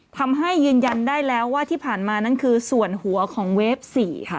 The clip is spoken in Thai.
ยืนยันได้แล้วว่าที่ผ่านมานั้นคือส่วนหัวของเวฟ๔ค่ะ